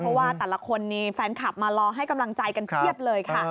เพราะว่าแต่ละคนนี้แฟนคลับมารอให้กำลังใจกันเพียบเลยค่ะ